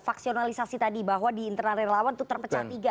faksionalisasi tadi bahwa di internal relawan itu terpecah tiga